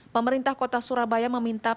pemerintah kota surabaya raya dan malang raya